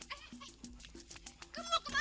kamu mau kemana